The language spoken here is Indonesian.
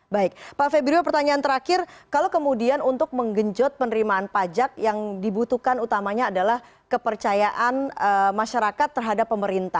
baik pak febrio pertanyaan terakhir kalau kemudian untuk menggenjot penerimaan pajak yang dibutuhkan utamanya adalah kepercayaan masyarakat terhadap pemerintah